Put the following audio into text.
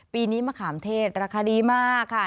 ปีนี้มะขามเทศราคาดีมากค่ะ